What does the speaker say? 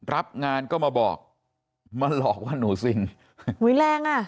รับงานก็มาบอกมาหลอกว่าหนูซินอุ้ยแรงอ่ะ